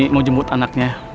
mau jemput anaknya